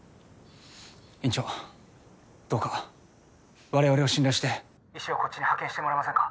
院長どうかわれわれを信頼して医師をこっちに派遣してもらえませんか？